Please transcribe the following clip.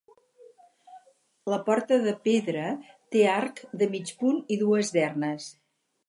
La porta, de pedra, té arc de mig punt i dues dernes.